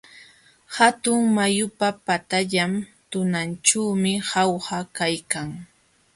Hatun mayupa patallan tunanćhuumi Jauja kaykan.